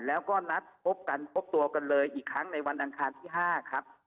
แล้วก็นัดพบกันพบตัวกันเลยอีกครั้งในวันอังคารที่๕ครับ